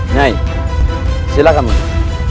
nyai silahkan menurutku